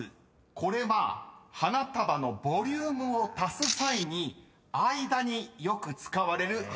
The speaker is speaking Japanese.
これは花束のボリュームを足す際に間によく使われる花だそうです］